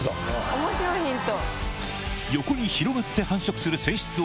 面白いヒント。